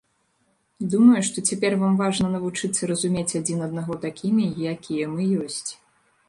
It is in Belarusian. Думаю, што цяпер вам важна навучыцца разумець адзін аднаго такімі, якія мы ёсць.